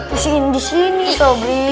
pusingin disini sobri